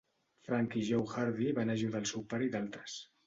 Frank i Joe Hardy van ajudar el seu pare i d'altres.